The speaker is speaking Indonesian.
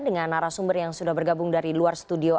dengan narasumber yang sudah bergabung dari luar studio